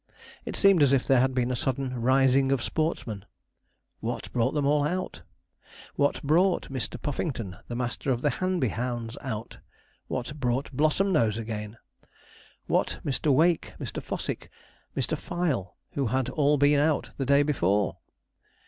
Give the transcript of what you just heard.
It seemed as if there had been a sudden rising of sportsmen. What brought them all out? What brought Mr. Puffington, the master of the Hanby hounds, out? What brought Blossomnose again? What Mr. Wake, Mr. Fossick, Mr. Fyle, who had all been out the day before?